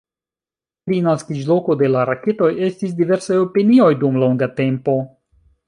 Pri naskiĝloko de la raketoj estis diversaj opinioj dum longa tempo.